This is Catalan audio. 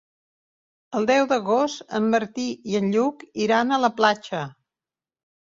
El deu d'agost en Martí i en Lluc iran a la platja.